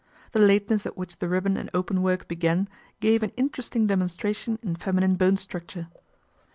The lateness at which the ribbon and openwork began gave an interesting demon stration in feminine bone structure.